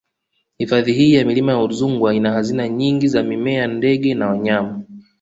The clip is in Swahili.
Hifadhi hii ya Milima ya Udzungwa ina hazina nyingi za mimea ndege na wanyama